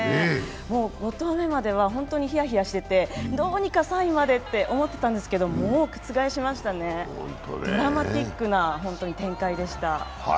もう５投目までは本当にひやひやしていてどうにか３位までと思ってたんですけど、もう覆しましたね、ドラマチックな展開でした。